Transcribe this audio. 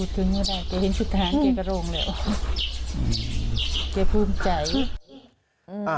ถูกครับ